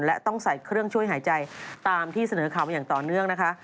และต้องใส่เครื่องช่วยหายใจตามที่เสนอข่าวมาอย่างต่อเนื่องนะคะ